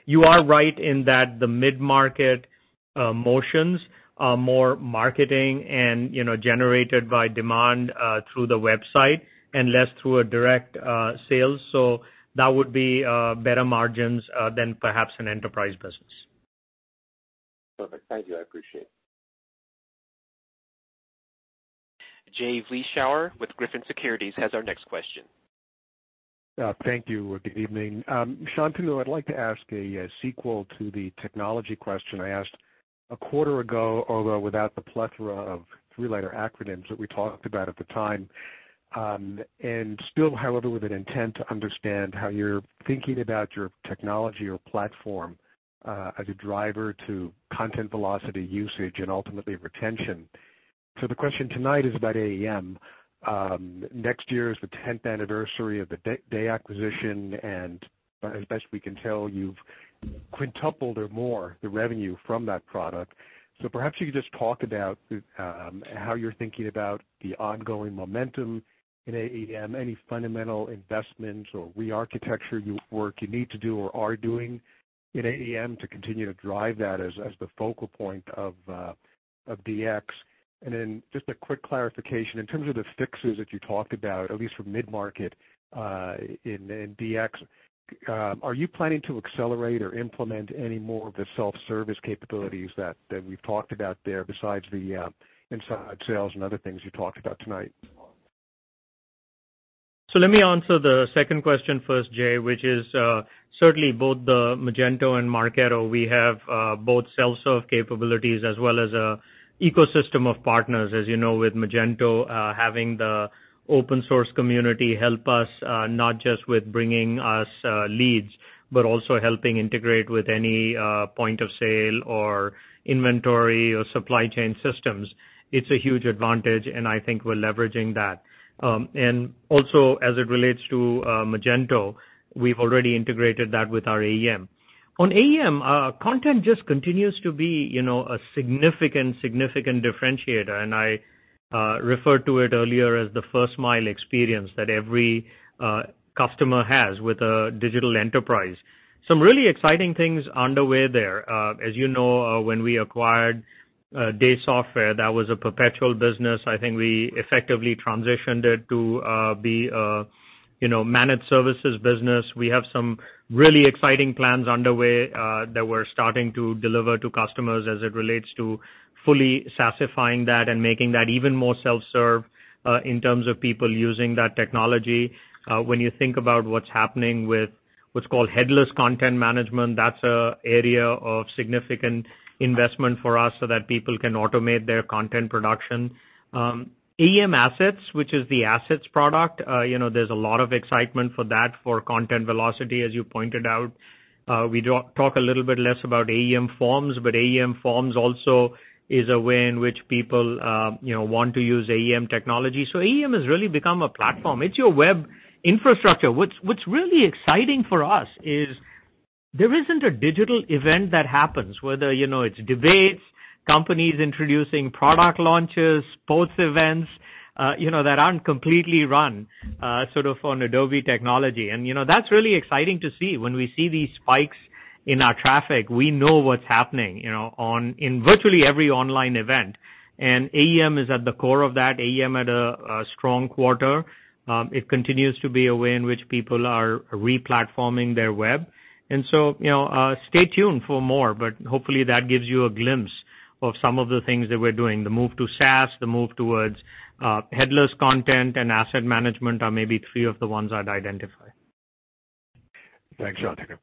[SPEAKER 3] You are right in that the mid-market motions are more marketing and generated by demand through the website and less through a direct sales. That would be better margins than perhaps an enterprise business.
[SPEAKER 9] Perfect. Thank you. I appreciate it.
[SPEAKER 1] Jay Vleeschhouwer with Griffin Securities has our next question.
[SPEAKER 10] Thank you. Good evening. Shantanu, I'd like to ask a sequel to the technology question I asked a quarter ago, although without the plethora of three-letter acronyms that we talked about at the time. Still, however, with an intent to understand how you're thinking about your technology or platform as a driver to content velocity usage and ultimately retention. The question tonight is about AEM. Next year is the 10th anniversary of the Day acquisition. As best we can tell, you've quintupled or more the revenue from that product. Perhaps you could just talk about how you're thinking about the ongoing momentum in AEM, any fundamental investments or rearchitecture work you need to do or are doing in AEM to continue to drive that as the focal point of DX. Just a quick clarification, in terms of the fixes that you talked about, at least for mid-market in DX, are you planning to accelerate or implement any more of the self-service capabilities that we've talked about there besides the inside sales and other things you talked about tonight?
[SPEAKER 3] Let me answer the second question first, Jay, which is certainly both the Magento and Marketo, we have both self-serve capabilities as well as a ecosystem of partners. As you know, with Magento, having the open source community help us not just with bringing us leads, but also helping integrate with any point of sale or inventory or supply chain systems. It's a huge advantage, and I think we're leveraging that. Also as it relates to Magento, we've already integrated that with our AEM. On AEM, content just continues to be a significant differentiator, and I referred to it earlier as the first mile experience that every customer has with a digital enterprise. Some really exciting things underway there. As you know, when we acquired Day Software, that was a perpetual business. I think we effectively transitioned it to be a managed services business. We have some really exciting plans underway that we're starting to deliver to customers as it relates to fully SaaSifying that and making that even more self-serve in terms of people using that technology. When you think about what's happening with what's called headless content management, that's an area of significant investment for us so that people can automate their content production. AEM Assets, which is the assets product, there's a lot of excitement for that for content velocity, as you pointed out. We talk a little bit less about AEM Forms, but AEM Forms also is a way in which people want to use AEM technology. AEM has really become a platform. It's your web infrastructure. What's really exciting for us is there isn't a digital event that happens, whether it's debates, companies introducing product launches, sports events that aren't completely run sort of on Adobe technology. That's really exciting to see. When we see these spikes in our traffic, we know what's happening in virtually every online event, and AEM is at the core of that. AEM had a strong quarter. It continues to be a way in which people are re-platforming their web. Stay tuned for more, but hopefully, that gives you a glimpse of some of the things that we're doing. The move to SaaS, the move towards headless content and asset management are maybe three of the ones I'd identify.
[SPEAKER 10] Thanks, Shantanu.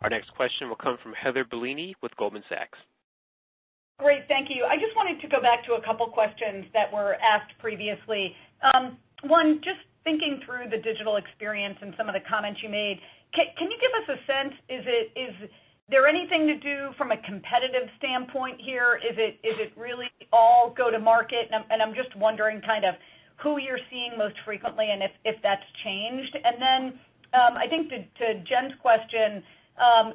[SPEAKER 1] Our next question will come from Heather Bellini with Goldman Sachs.
[SPEAKER 11] Great. Thank you. I just wanted to go back to a couple questions that were asked previously. One, just thinking through the digital experience and some of the comments you made, can you give us a sense, is there anything to do from a competitive standpoint here? Is it really all go to market? I'm just wondering kind of who you're seeing most frequently and if that's changed. I think to Jen's question,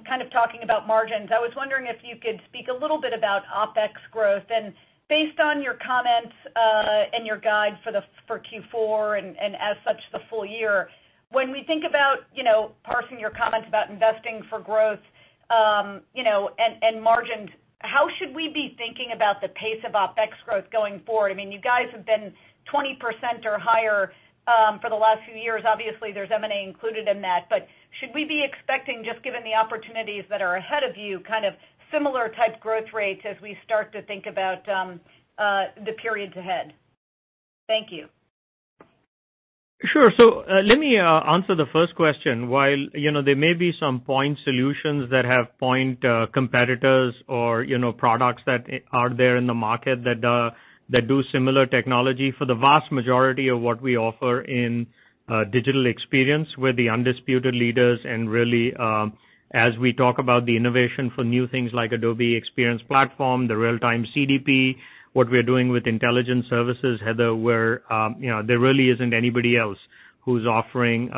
[SPEAKER 11] kind of talking about margins, I was wondering if you could speak a little bit about OpEx growth. Based on your comments, and your guide for Q4 and as such, the full year, when we think about parsing your comments about investing for growth, and margins, how should we be thinking about the pace of OpEx growth going forward? I mean, you guys have been 20% or higher for the last few years. Obviously, there's M&A included in that. Should we be expecting, just given the opportunities that are ahead of you, kind of similar type growth rates as we start to think about the periods ahead? Thank you.
[SPEAKER 3] Sure. Let me answer the first question. While there may be some point solutions that have point competitors or products that are there in the market that do similar technology, for the vast majority of what we offer in digital experience, we're the undisputed leaders, and really, as we talk about the innovation for new things like Adobe Experience Platform, the real-time CDP, what we're doing with intelligent services, Heather, there really isn't anybody else who's offering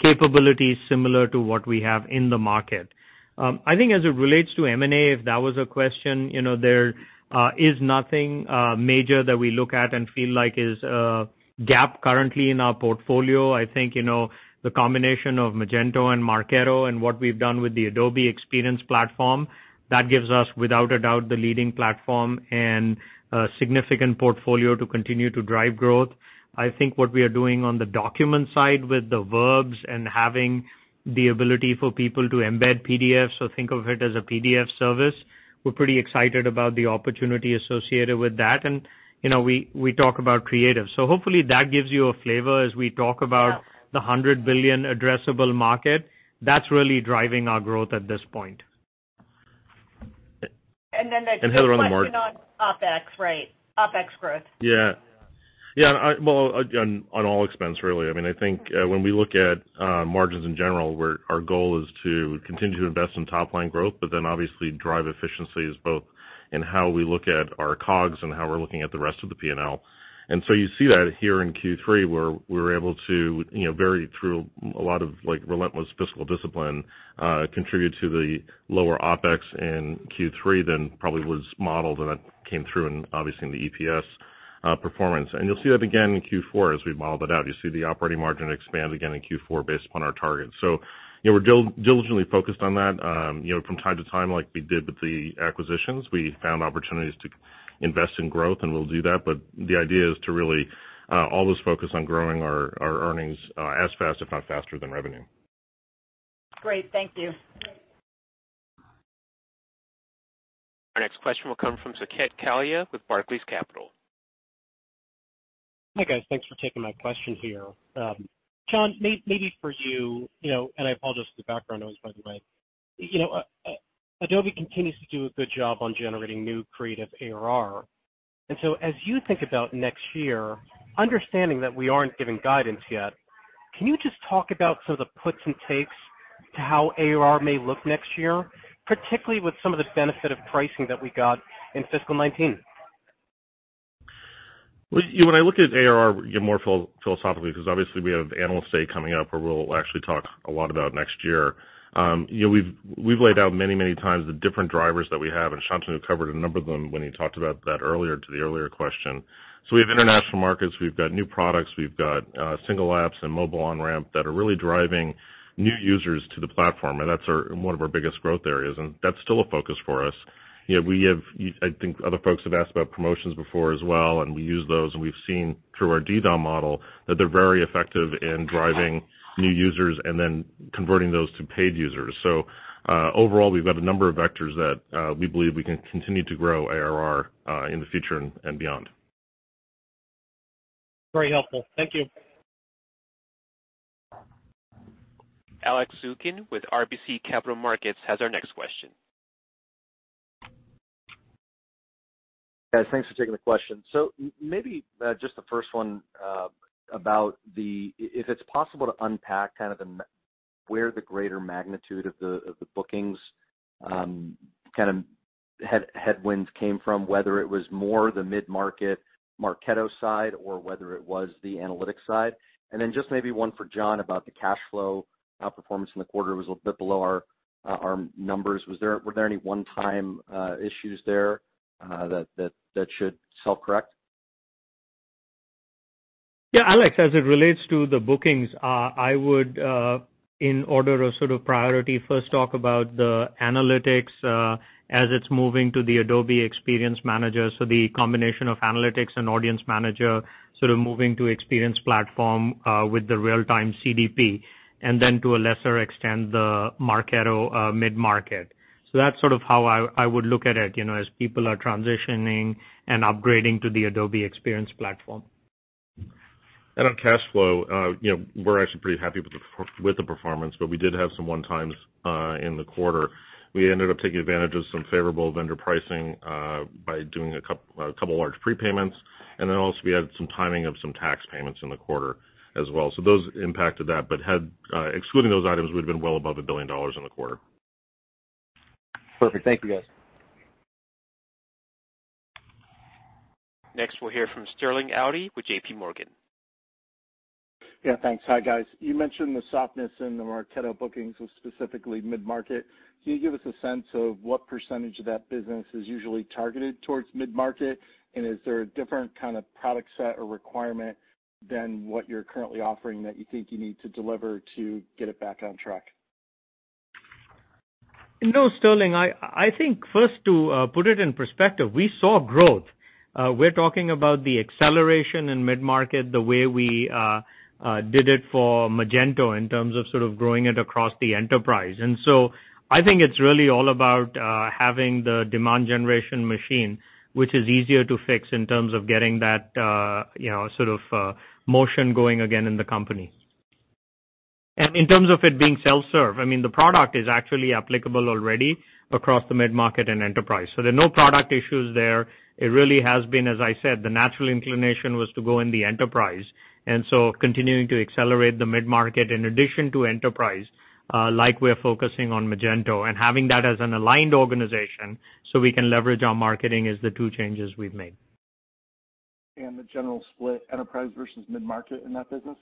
[SPEAKER 3] capabilities similar to what we have in the market. I think as it relates to M&A, if that was a question, there is nothing major that we look at and feel like is a gap currently in our portfolio. I think, the combination of Magento and Marketo and what we've done with the Adobe Experience Platform, that gives us, without a doubt, the leading platform and a significant portfolio to continue to drive growth. I think what we are doing on the document side with the Document Cloud and having the ability for people to embed PDFs or think of it as a PDF service, we're pretty excited about the opportunity associated with that. We talk about Creative Cloud. Hopefully that gives you a flavor as we talk about the $100 billion addressable market, that's really driving our growth at this point.
[SPEAKER 11] And then the-
[SPEAKER 4] Heather
[SPEAKER 11] question on OpEx, right. OpEx growth.
[SPEAKER 4] On all expense really, I think when we look at margins in general, our goal is to continue to invest in top-line growth, obviously drive efficiencies both in how we look at our COGS and how we're looking at the rest of the P&L. You see that here in Q3, where we were able to, very through a lot of relentless fiscal discipline, contribute to the lower OpEx in Q3 than probably was modeled, and that came through in, obviously, in the EPS performance. You'll see that again in Q4 as we modeled it out. You'll see the operating margin expand again in Q4 based upon our targets. We're diligently focused on that. From time to time, like we did with the acquisitions, we found opportunities to invest in growth, we'll do that. The idea is to really always focus on growing our earnings as fast, if not faster than revenue.
[SPEAKER 11] Great. Thank you.
[SPEAKER 1] Our next question will come from Saket Kalia with Barclays Capital.
[SPEAKER 12] Hi, guys. Thanks for taking my question here. John, maybe for you, and I apologize for the background noise, by the way. Adobe continues to do a good job on generating new creative ARR. As you think about next year, understanding that we aren't giving guidance yet, can you just talk about some of the puts and takes to how ARR may look next year, particularly with some of this benefit of pricing that we got in FY 2019?
[SPEAKER 4] Well, when I look at ARR more philosophically, because obviously we have Analyst Day coming up where we'll actually talk a lot about next year. We've laid out many times the different drivers that we have, and Shantanu covered a number of them when he talked about that earlier to the earlier question. We have international markets, we've got new products, we've got single apps and mobile on-ramp that are really driving new users to the platform, and that's one of our biggest growth areas, and that's still a focus for us. I think other folks have asked about promotions before as well, and we use those, and we've seen through our DDOM model that they're very effective in driving new users and then converting those to paid users. Overall, we've got a number of vectors that we believe we can continue to grow ARR in the future and beyond.
[SPEAKER 12] Very helpful. Thank you.
[SPEAKER 1] Alex Zukin with RBC Capital Markets has our next question.
[SPEAKER 13] Guys, thanks for taking the question. Maybe just the first one, if it's possible to unpack kind of where the greater magnitude of the bookings kind of headwinds came from, whether it was more the mid-market Marketo side or whether it was the analytics side? Then just maybe one for John about the cash flow performance in the quarter was a bit below our numbers. Were there any one-time issues there that should self-correct?
[SPEAKER 3] Yeah, Alex, as it relates to the bookings, I would, in order of sort of priority, first talk about the analytics, as it's moving to the Adobe Experience Manager. The combination of analytics and Audience Manager sort of moving to Experience Platform with the real-time CDP, then to a lesser extent, the Marketo mid-market. That's sort of how I would look at it, as people are transitioning and upgrading to the Adobe Experience Platform.
[SPEAKER 4] On cash flow, we're actually pretty happy with the performance, but we did have some one-times in the quarter. We ended up taking advantage of some favorable vendor pricing by doing a couple of large prepayments. We had some timing of some tax payments in the quarter as well. Those impacted that, but excluding those items, we'd have been well above $1 billion in the quarter.
[SPEAKER 13] Perfect. Thank you, guys.
[SPEAKER 1] Next, we'll hear from Sterling Auty with JPMorgan.
[SPEAKER 14] Yeah, thanks. Hi, guys. You mentioned the softness in the Marketo bookings was specifically mid-market. Can you give us a sense of what % of that business is usually targeted towards mid-market? Is there a different kind of product set or requirement than what you're currently offering that you think you need to deliver to get it back on track?
[SPEAKER 3] No, Sterling, I think first to put it in perspective, we saw growth. We're talking about the acceleration in mid-market, the way we did it for Magento in terms of sort of growing it across the enterprise. I think it's really all about having the demand generation machine, which is easier to fix in terms of getting that sort of motion going again in the company. In terms of it being self-serve, the product is actually applicable already across the mid-market and enterprise. There are no product issues there. It really has been, as I said, the natural inclination was to go in the enterprise. Continuing to accelerate the mid-market in addition to enterprise, like we're focusing on Magento and having that as an aligned organization so we can leverage our marketing is the two changes we've made.
[SPEAKER 4] The general split enterprise versus mid-market in that business?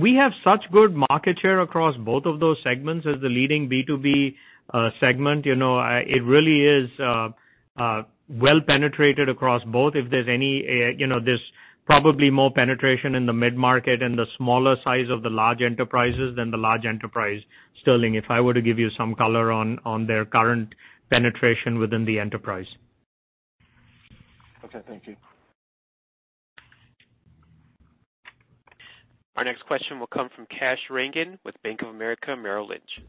[SPEAKER 3] We have such good market share across both of those segments as the leading B2B segment. It really is well-penetrated across both. There's probably more penetration in the mid-market and the smaller size of the large enterprises than the large enterprise, Sterling, if I were to give you some color on their current penetration within the enterprise.
[SPEAKER 14] Okay. Thank you.
[SPEAKER 1] Our next question will come from Kash Rangan with Bank of America Merrill Lynch.
[SPEAKER 15] Hi.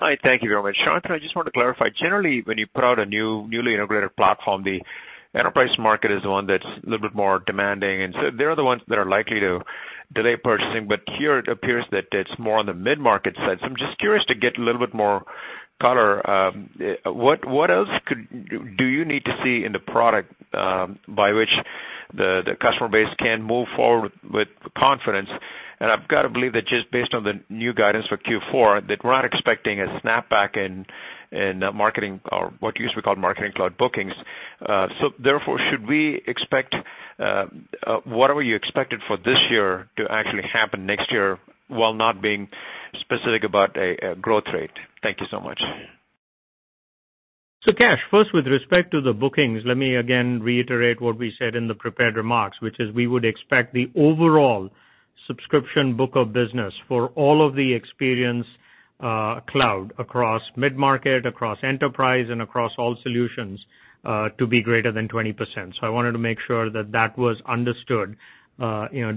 [SPEAKER 15] Thank you very much. Shantanu, I just wanted to clarify, generally, when you put out a newly integrated platform, the enterprise market is the one that's a little bit more demanding, and so they're the ones that are likely to delay purchasing. Here it appears that it's more on the mid-market side. I'm just curious to get a little bit more color. What else do you need to see in the product by which the customer base can move forward with confidence? I've got to believe that just based on the new guidance for Q4, that we're not expecting a snapback in what we used to call Marketing Cloud bookings. Therefore, should we expect whatever you expected for this year to actually happen next year while not being specific about a growth rate? Thank you so much.
[SPEAKER 3] Kash, first, with respect to the bookings, let me again reiterate what we said in the prepared remarks, which is we would expect the overall subscription book of business for all of the Experience Cloud across mid-market, across enterprise, and across all solutions to be greater than 20%. I wanted to make sure that that was understood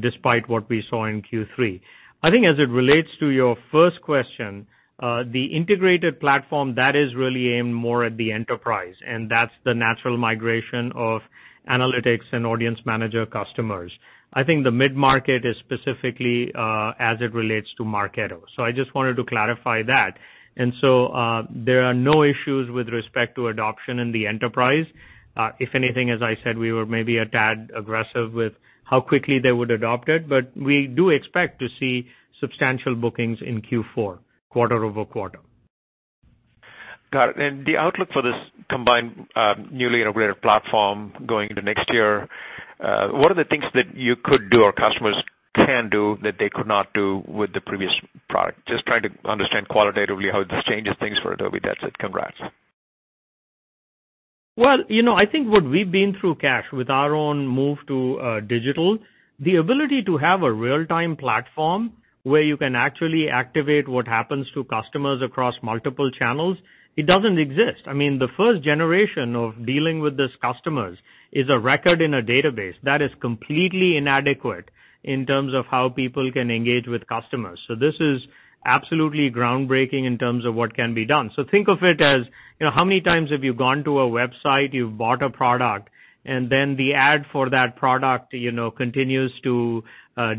[SPEAKER 3] despite what we saw in Q3. I think as it relates to your first question, the integrated platform, that is really aimed more at the enterprise, and that's the natural migration of Analytics and Audience Manager customers. I think the mid-market is specifically as it relates to Marketo. I just wanted to clarify that. There are no issues with respect to adoption in the enterprise. If anything, as I said, we were maybe a tad aggressive with how quickly they would adopt it, but we do expect to see substantial bookings in Q4 quarter-over-quarter.
[SPEAKER 15] Got it. The outlook for this combined, newly integrated platform going into next year, what are the things that you could do or customers can do that they could not do with the previous product? Just trying to understand qualitatively how this changes things for Adobe. That's it. Congrats.
[SPEAKER 3] I think what we've been through, Kash, with our own move to digital, the ability to have a real-time platform where you can actually activate what happens to customers across multiple channels, it doesn't exist. I mean, the first generation of dealing with these customers is a record in a database. That is completely inadequate in terms of how people can engage with customers. This is absolutely groundbreaking in terms of what can be done. Think of it as, how many times have you gone to a website, you've bought a product, and then the ad for that product continues to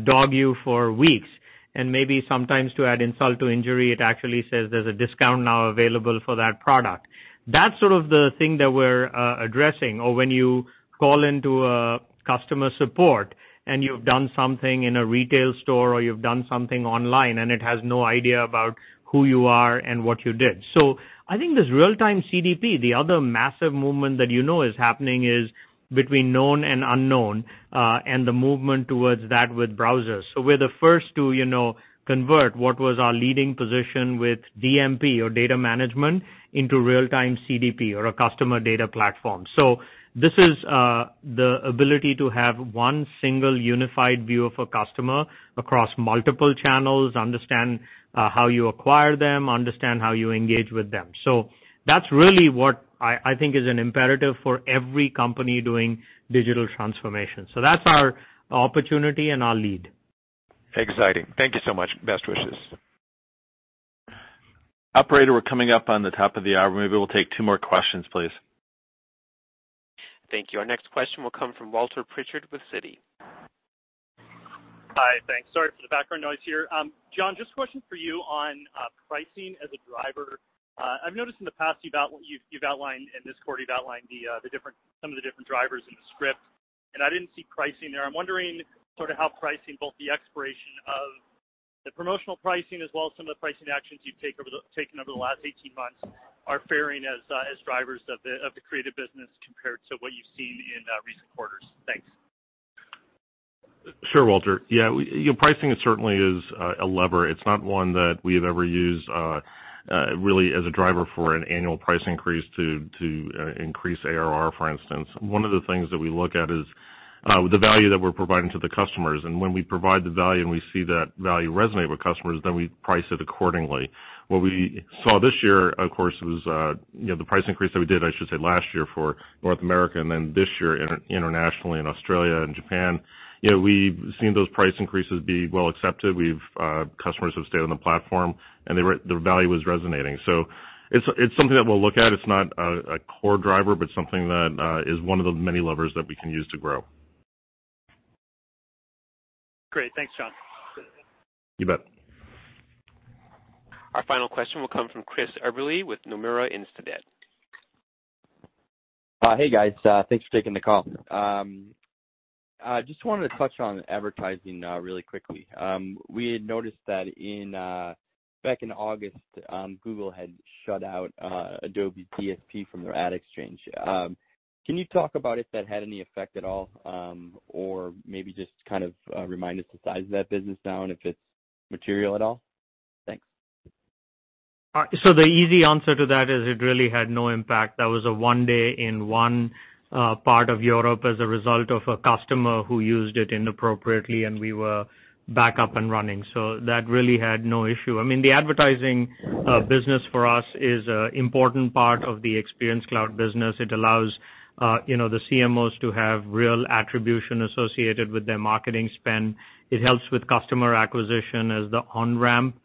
[SPEAKER 3] dog you for weeks, and maybe sometimes to add insult to injury, it actually says there's a discount now available for that product. That's sort of the thing that we're addressing. When you call into customer support and you've done something in a retail store or you've done something online, and it has no idea about who you are and what you did. I think this real-time CDP, the other massive movement that you know is happening is between known and unknown, and the movement towards that with browsers. We're the first to convert what was our leading position with DMP or data management into real-time CDP or a customer data platform. This is the ability to have one single unified view of a customer across multiple channels, understand how you acquire them, understand how you engage with them. That's really what I think is an imperative for every company doing digital transformation. That's our opportunity and our lead.
[SPEAKER 15] Exciting. Thank you so much. Best wishes.
[SPEAKER 2] Operator, we're coming up on the top of the hour. Maybe we'll take two more questions, please. Thank you. Our next question will come from Walter Pritchard with Citi.
[SPEAKER 16] Hi. Thanks. Sorry for the background noise here. John, just a question for you on pricing as a driver. I've noticed in the past you've outlined, and this quarter you've outlined some of the different drivers in the script, and I didn't see pricing there. I'm wondering sort of how pricing, both the expiration of the promotional pricing as well as some of the pricing actions you've taken over the last 18 months, are faring as drivers of the Creative business compared to what you've seen in recent quarters. Thanks.
[SPEAKER 4] Sure, Walter. Yeah, pricing certainly is a lever. It's not one that we have ever used really as a driver for an annual price increase to increase ARR, for instance. One of the things that we look at is the value that we're providing to the customers, and when we provide the value and we see that value resonate with customers, then we price it accordingly. What we saw this year, of course, was the price increase that we did, I should say, last year for North America and then this year internationally in Australia and Japan. We've seen those price increases be well accepted. Customers have stayed on the platform, and the value is resonating. It's something that we'll look at. It's not a core driver, but something that is one of the many levers that we can use to grow.
[SPEAKER 16] Great. Thanks, John.
[SPEAKER 4] You bet.
[SPEAKER 1] Our final question will come from Christopher Eberle with Nomura Instinet.
[SPEAKER 17] Hey, guys. Thanks for taking the call. I just wanted to touch on advertising really quickly. We had noticed that back in August, Google had shut out Adobe DSP from their ad exchange. Can you talk about if that had any effect at all? Maybe just kind of remind us the size of that business now, and if it's material at all? Thanks.
[SPEAKER 3] The easy answer to that is it really had no impact. That was a one day in one part of Europe as a result of a customer who used it inappropriately, and we were back up and running. That really had no issue. The advertising business for us is an important part of the Experience Cloud business. It allows the CMOs to have real attribution associated with their marketing spend. It helps with customer acquisition as the on-ramp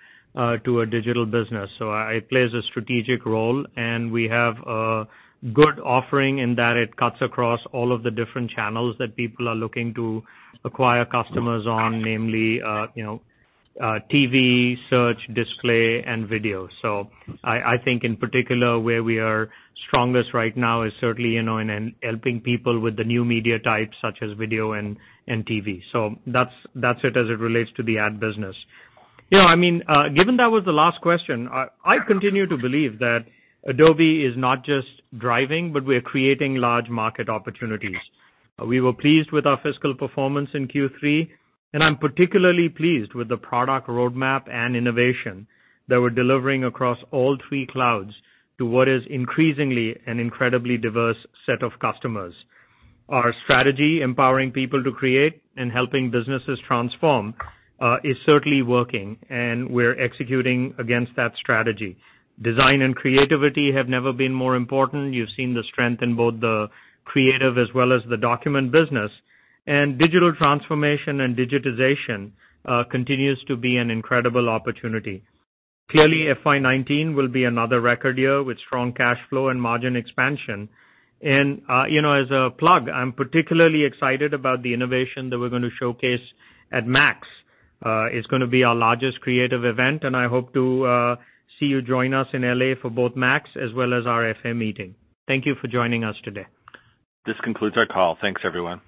[SPEAKER 3] to a digital business. It plays a strategic role, and we have a good offering in that it cuts across all of the different channels that people are looking to acquire customers on, namely TV, search, display, and video. I think in particular, where we are strongest right now is certainly in helping people with the new media types such as video and TV. That's it as it relates to the ad business. Given that was the last question, I continue to believe that Adobe is not just driving, but we're creating large market opportunities. We were pleased with our fiscal performance in Q3, and I'm particularly pleased with the product roadmap and innovation that we're delivering across all three Clouds to what is increasingly an incredibly diverse set of customers. Our strategy, empowering people to create and helping businesses transform, is certainly working, and we're executing against that strategy. Design and creativity have never been more important. You've seen the strength in both the Creative as well as the Document business, and digital transformation and digitization continues to be an incredible opportunity. FY 2019 will be another record year with strong cash flow and margin expansion. As a plug, I'm particularly excited about the innovation that we're going to showcase at Adobe MAX. It's going to be our largest creative event, and I hope to see you join us in L.A. for both Adobe MAX as well as our FAM meeting. Thank you for joining us today.
[SPEAKER 2] This concludes our call. Thanks, everyone.